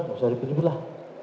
masa ribut juga lah